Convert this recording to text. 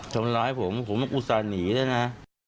ทำร้ายผมผมอุตส่าห์หนีด้วยนะ